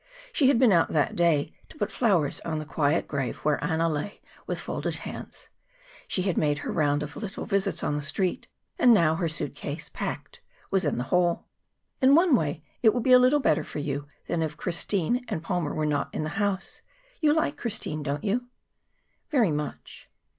She had been out that day to put flowers on the quiet grave where Anna lay with folded hands; she had made her round of little visits on the Street; and now her suit case, packed, was in the hall. "In one way, it will be a little better for you than if Christine and Palmer were not in the house. You like Christine, don't you?" "Very much."